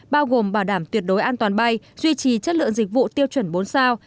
bao gồm bảo đảm tuyệt đối an toàn bay duy trì chất lượng dịch vụ tiêu chuẩn bốn sao